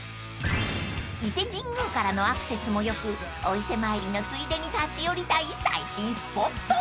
［伊勢神宮からのアクセスもよくお伊勢参りのついでに立ち寄りたい最新スポット］